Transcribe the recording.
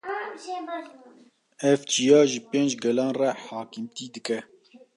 Ev çiya ji pênc gelan re hakimtê dike